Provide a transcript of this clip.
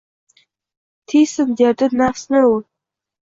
Tiysin derdi nafsini ul.